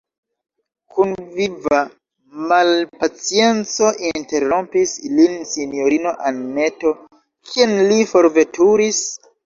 kun viva malpacienco interrompis lin sinjorino Anneto: kien li forveturis?